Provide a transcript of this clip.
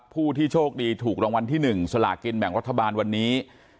ผู้ที่โชคดีถูกรางวัลที่๑สลากินแบ่งรัฐบาลวันนี้